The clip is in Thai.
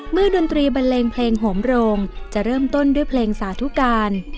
ดนตรีบันเลงเพลงโหมโรงจะเริ่มต้นด้วยเพลงสาธุการ